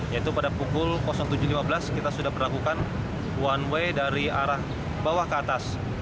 yaitu pada pukul tujuh lima belas kita sudah berlakukan one way dari arah bawah ke atas